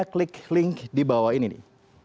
klik link di bawah ini nih